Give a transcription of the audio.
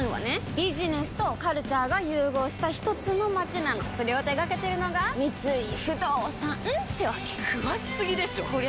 ビジネスとカルチャーが融合したひとつの街なのそれを手掛けてるのが三井不動産ってわけ詳しすぎでしょこりゃ